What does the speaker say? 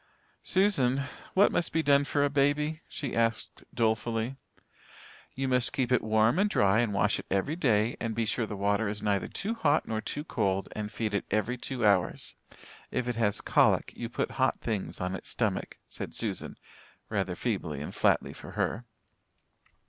"Susan, what must be done for a baby?" she asked dolefully. "You must keep it warm and dry and wash it every day, and be sure the water is neither too hot nor too cold, and feed it every two hours. If it has colic, you put hot things on its stomach," said Susan, rather feebly and flatly for her.